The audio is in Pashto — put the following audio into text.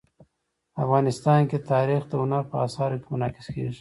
افغانستان کې تاریخ د هنر په اثار کې منعکس کېږي.